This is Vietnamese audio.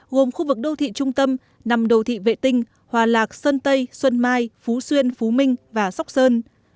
gồm khu vực đô thị trung tâm nằm đô thị vệ tinh hòa lạc sơn tây xuân mai phú xuyên phú minh và sóc sơn